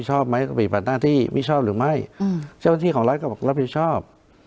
เจ้าหน้าที่ของรัฐก็บอกรับผิดชอบ